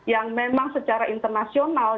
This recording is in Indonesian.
yang memang secara internasional